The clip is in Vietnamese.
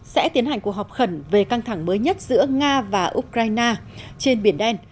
sẽ tiến hành cuộc họp khẩn về căng thẳng mới nhất giữa nga và ukraine trên biển đen